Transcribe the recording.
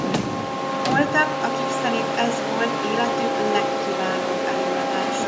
Voltak akik szerint ez volt életük legkiválóbb előadása.